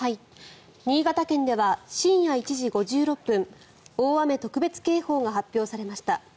新潟県では深夜１時５６分大雨特別警報が発表されました。